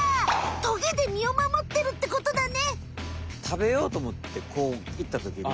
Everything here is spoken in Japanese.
トゲでみをまもってるってことだね！